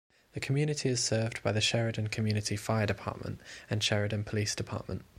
The community is served by the Sheridan Community Fire Department and Sheridan Police Department.